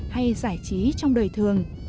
hay giải trí trong đời thường